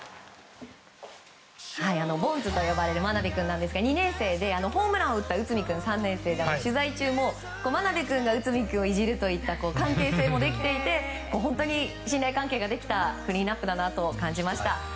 ボンズと呼ばれる真鍋くんですが２年生で、ホームランを打った内海君は３年生で取材中も真鍋君が内海君をいじるといった関係性もできていて信頼関係もできたクリーンアップだなと感じました。